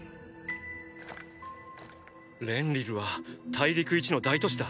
レンリルは大陸一の大都市だ。